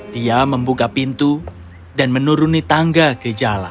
dia membuka pintu dan menuruni tangga ke jalan